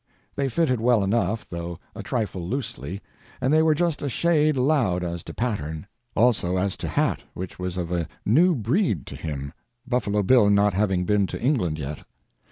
They fitted well enough, though a trifle loosely, and they were just a shade loud as to pattern. Also as to hat—which was of a new breed to him, Buffalo Bill not having been to England yet.